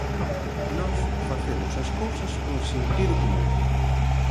Nós facemos as cousas con sentido común.